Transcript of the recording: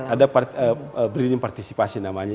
ada berdiri partisipasi namanya